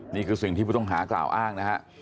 นี่คือสิ่งที่ผู้ต้องหากล่าวอ้างนะฮะ